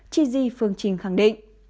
chi di phương trình khẳng định